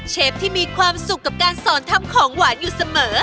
เชฟที่มีความสุขกับการสอนทำของหวานอยู่เสมอ